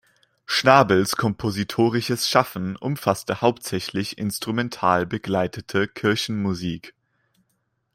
Schnabels kompositorisches Schaffen umfasste hauptsächlich instrumental begleitete Kirchenmusik.